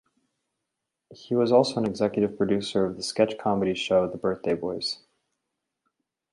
He was also an executive producer of the sketch comedy show "The Birthday Boys".